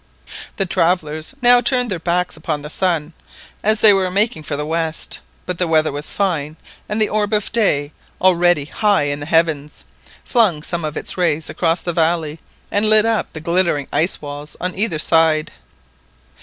The travellers now turned their backs upon the sun, as they were making for the west, but the weather was fine, and the orb of day, already high in the heavens, flung some of its rays across the valley and lit up the glittering ice walls on either side.